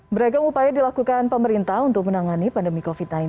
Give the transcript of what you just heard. beragam upaya dilakukan pemerintah untuk menangani pandemi covid sembilan belas